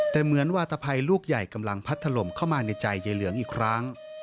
แต่เหมือนวาตภัยลูกใหญ่กำลังพัดถล่มเข้ามาในใจยายเหลืองอีกครั้ง